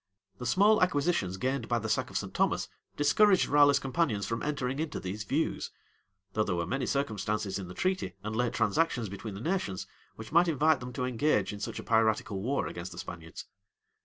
The small acquisitions gained by the sack of St. Thomas discouraged Raleigh's companions from entering into these views; though there were many circumstances in the treaty and late transactions between the nations, which might invite them to engage in such a piratical war against the Spaniards.